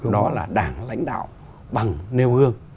đó là đảng lãnh đạo bằng nêu gương